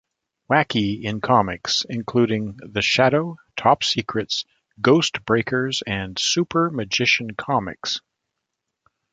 Wacky" in comics including "The Shadow", "Top Secrets", "Ghost Breakers" and "Super Magician Comics".